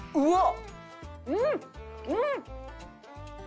うわっ。